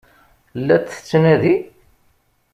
La t-tettnadi?